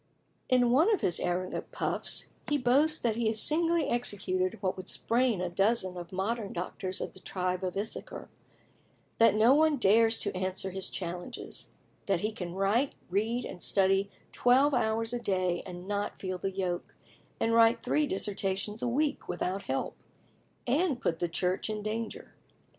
In one of his arrogant puffs, he boasts that he has singly executed what "would sprain a dozen of modern doctors of the tribe of Issachar;" that no one dares to answer his challenges; that he can write, read, and study twelve hours a day and not feel the yoke; and write three dissertations a week without help, and put the Church in danger.